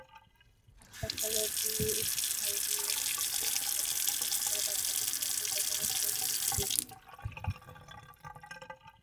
আজ সকালে বিআইবিএম চত্বরে সম্মেলনের উদ্বোধন করবেন বাংলাদেশ ব্যাংকের গভর্নর ফজলে কবির।